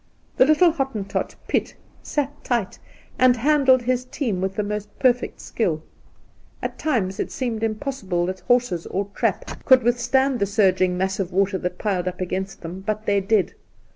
The little Hottentot Piet sat tight, and handled his team with the most perfect skill. At times it seemed impossible that horses or trap could with 8 114 Induna Nairn stand the surging mass of water that piled up against them ; but they did.